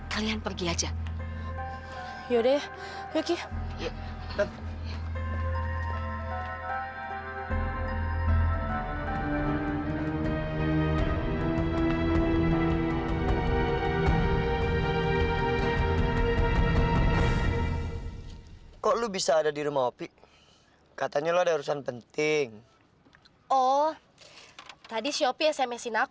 sampai jumpa di video selanjutnya